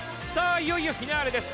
いよいよフィナーレです